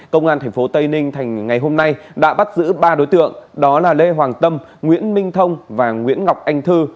công an tp tây ninh ngày hôm nay đã bắt giữ ba đối tượng đó là lê hoàng tâm nguyễn minh thông và nguyễn ngọc anh thư